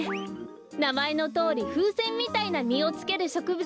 なまえのとおりふうせんみたいなみをつけるしょくぶつです。